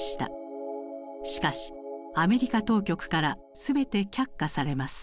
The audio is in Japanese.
しかしアメリカ当局から全て却下されます。